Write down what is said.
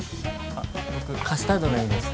あっ僕カスタードがいいです。